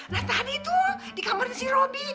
nah tadi tuh di kamar si roby